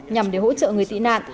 nhằm để hỗ trợ người tị nạn